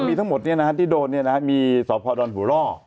มีทั้งหมดเนี่ยนะครับที่โดดเนี่ยนะครับมีสอบพอร์ดอนหูล่อ